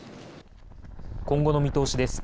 今後の見通しです。